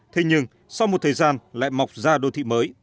thế nhưng sau một thời gian lại mọc ra đô thị mới